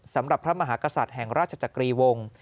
สำหรับพระมหากษัตริย์แห่งราชจักรีวง